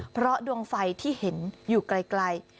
เพราะดวงไฟที่เห็นอยู่ไกล